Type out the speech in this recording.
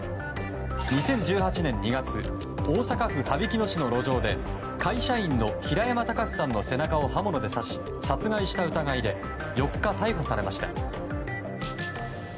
２０１８年２月大阪府羽曳野市の路上で会社員の平山喬司さんの背中を刃物で刺し殺害した疑いで４日、逮捕されました。